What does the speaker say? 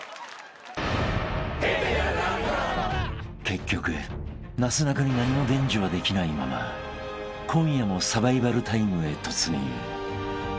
［結局なすなかに何も伝授はできないまま今夜もサバイバルタイムへ突入］